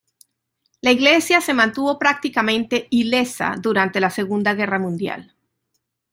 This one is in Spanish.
La iglesia se mantuvo prácticamente ilesa durante la Segunda Guerra Mundial.